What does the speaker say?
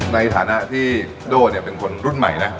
ในฐานะที่โด่เป็นคนรุ่นใหม่นะ